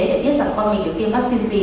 để biết rằng con mình được tiêm vaccine gì